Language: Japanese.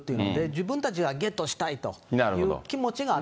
自分たちがゲットしたいという気持ちがあった。